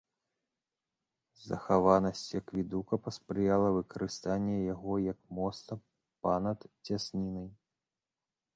Захаванасці акведука паспрыяла выкарыстанне яго як моста па-над цяснінай.